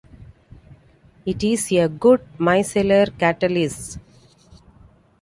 It is a good micellar catalyst.